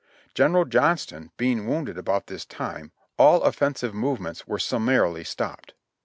General Johnston being wounded about this time, all offensive movements were summarily stopped.